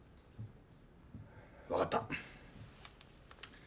分かった。